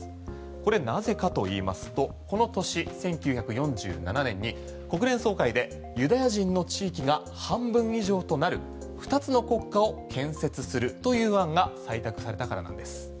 これ、なぜかといいますとこの年、１９４７年に国連総会でユダヤ人の地域が半分以上となる２つの国家を建設するという案が採択されたからなんです。